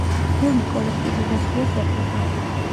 ფილმი კოლექტივიზაციას ეხება.